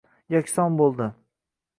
Yakson bo’ldi